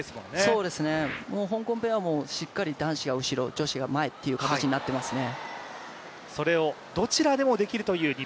そうですね、香港ペアもしっかり男子が後ろ、女子が前という形になってますね。